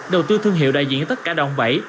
đầu tư thương hiệu đại diện tất cả đòn bẫy